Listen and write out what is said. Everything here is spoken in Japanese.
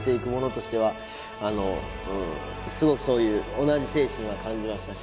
あのうんすごくそういう同じ精神は感じましたし